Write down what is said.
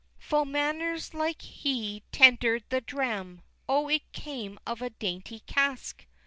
VIII. Full manners like he tender'd the dram; Oh it came of a dainty cask!